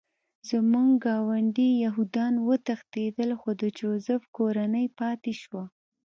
زموږ ګاونډي یهودان وتښتېدل خو د جوزف کورنۍ پاتې شوه